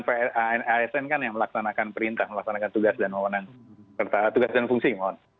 kewajiban asn kan yang melaksanakan perintah melaksanakan tugas dan fungsi